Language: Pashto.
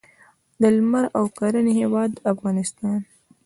د لمر او کرنې هیواد افغانستان.